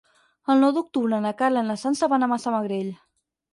El nou d'octubre na Carla i na Sança van a Massamagrell.